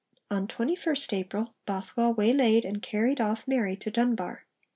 On 21st April Bothwell waylaid and carried off Mary to Dunbar.